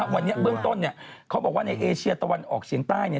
วันนี้เบื้องต้นเขาบอกว่าในเอเชียตะวันออกเฉียงใต้